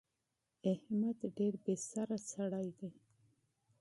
احمد ډېر بې سره سړی دی.